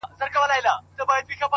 او خپل قامي لښکر به جوړوو